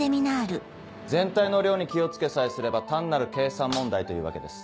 全体の量に気を付けさえすれば単なる計算問題というわけです